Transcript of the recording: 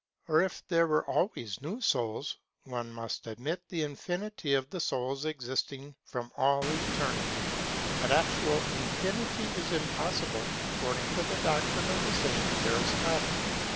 Or, if there are always new souls, one must admit the infinity of these souls existing from all eternity; but actual infinity is impossible, according to the doctrine of the same Aristotle.